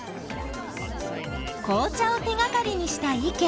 紅茶を手がかりにした意見。